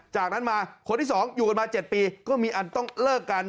จากนั้นมาคนที่๒อยู่กันมา๗ปีก็มีอันต้องเลิกกัน